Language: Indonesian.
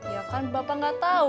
ya kan bapak gak tau